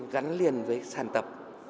gắn liền với sản tập